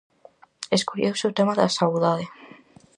Escolleuse o tema da saudade.